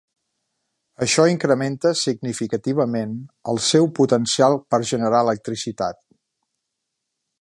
Això incrementa significativament el seu potencial per generar electricitat.